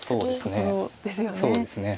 そうですね。